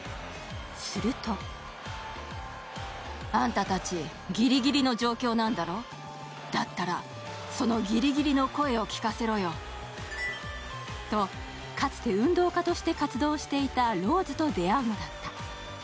するとと、かつて運動家として活動していたローズと出会うのだった。